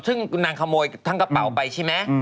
ซึ่งนางขโมยทั้งกระเป๋าไปใช่ไหม